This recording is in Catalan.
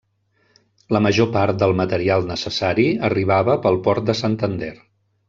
La major part del material necessari arribava pel port de Santander.